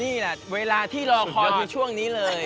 นี่แหละเวลาที่รอคอยคือช่วงนี้เลย